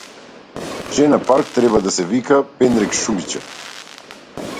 Жена парк треба да се вика пендрек шумиче!